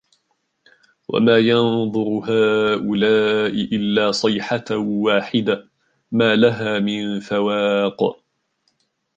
وَمَا يَنْظُرُ هَؤُلَاءِ إِلَّا صَيْحَةً وَاحِدَةً مَا لَهَا مِنْ فَوَاقٍ